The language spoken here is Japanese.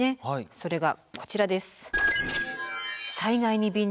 それがこちらです。